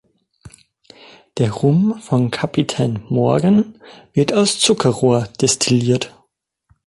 Der Rum von Kapitän Morgan wird aus Zuckerrohr destilliert.